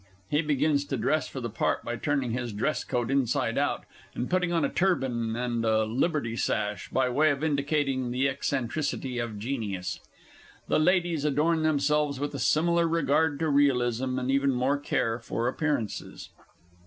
[_He begins to dress for the part by turning his dress coat inside out, and putting on a turban and a Liberty sash, by way of indicating the eccentricity of genius; the Ladies adorn themselves with a similar regard to realism, and even more care for appearances.